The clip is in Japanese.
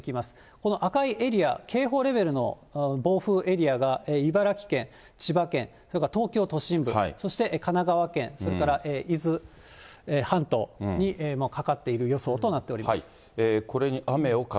この赤いエリア、警報レベルの暴風エリアが茨城県、千葉県、それから東京都心部、そして神奈川県、それから伊豆半島にかかっている予想となっております。